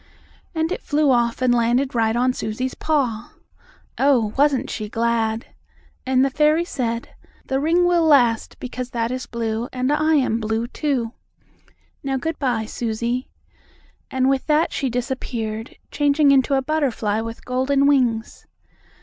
And it flew off and landed right on Susie's paw. Oh, wasn't she glad! And the fairy said: "The ring will last, because that is blue, and I am blue, too. Now, good bye, Susie." And with that she disappeared, changing into a butterfly with golden wings.